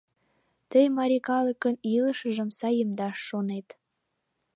Тый марий калыкын илышыжым саемдаш шонет.